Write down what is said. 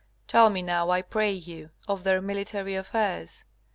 Tell me now, I pray you, of their military affairs.